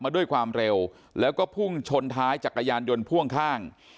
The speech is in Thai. ด้วยความเร็วแล้วก็พุ่งชนท้ายจักรยานยนต์พ่วงข้าง